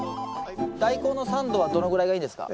ダイコンの酸度はどのぐらいがいいですか？